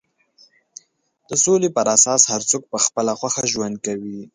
د سولې پر اساس هر څوک په خپله خوښه ژوند کوي.